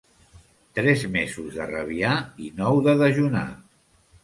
Tres mesos de rabiar i nou de dejunar.